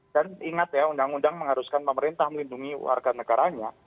ingat ya undang undang mengharuskan pemerintah melindungi warga negaranya